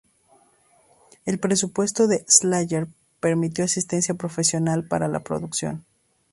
El presupuesto de Slayer permitió asistencia profesional para la producción.